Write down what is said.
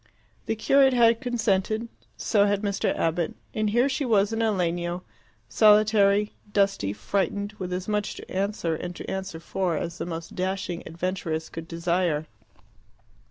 The curate had consented; so had Mr. Abbott. And here she was in a legno, solitary, dusty, frightened, with as much to answer and to answer for as the most dashing adventuress could desire.